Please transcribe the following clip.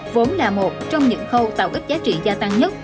vốn là một trong những khâu tạo các giá trị gia tăng nhất